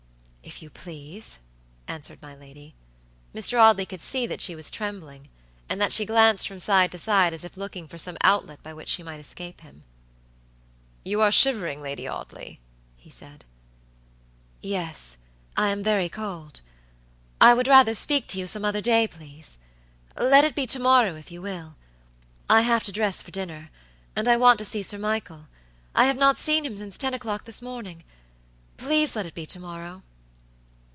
"If you please," answered my lady. Mr. Audley could see that she was trembling, and that she glanced from side to side as if looking for some outlet by which she might escape him. "You are shivering, Lady Audley," he said. "Yes, I am very cold. I would rather speak to you some other day, please. Let it be to morrow, if you will. I have to dress for dinner, and I want to see Sir Michael; I have not seen him since ten o'clock this morning. Please let it be to morrow."